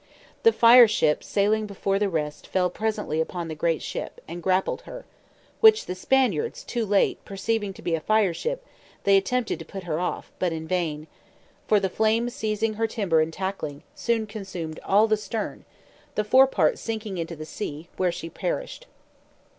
The fire ship sailing before the rest fell presently upon the great ship, and grappled her; which the Spaniards (too late) perceiving to be a fire ship, they attempted to put her off, but in vain: for the flame seizing her timber and tackling, soon consumed all the stern, the fore part sinking into the sea, where she perished.